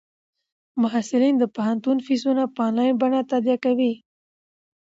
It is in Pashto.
محصلین د پوهنتون فیسونه په انلاین بڼه تادیه کوي.